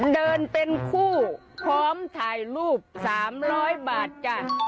เดินเป็นคู่พร้อมถ่ายรูป๓๐๐บาทจ้ะ